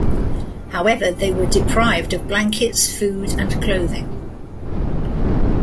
However, they were deprived of blankets, food, and clothing.